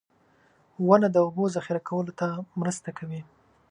• ونه د اوبو ذخېره کولو ته مرسته کوي.